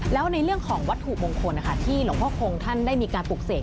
แล้วในเรื่องของวัตถุมงคลที่หลวงพ่อคงท่านได้มีการปลูกเสก